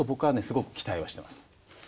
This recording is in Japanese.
すごく期待はしています。